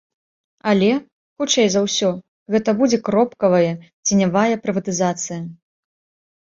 Але, хутчэй за ўсё, гэта будзе кропкавая, ценявая прыватызацыя.